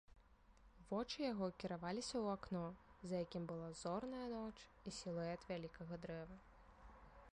Вочы яго кіраваліся ў акно, за якім была зорная ноч і сілуэт вялікага дрэва.